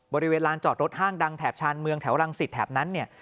บริเวณลานจอดรถห้างดังแถบชานเมืองแถวรังสิตแถบนั้นเนี่ย